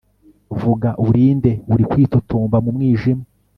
Vuga uri nde uri kwitotomba mu mwijima